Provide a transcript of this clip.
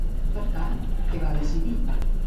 Per tant, què va decidir?